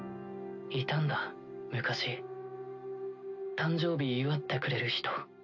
いたんだ昔誕生日祝ってくれる人。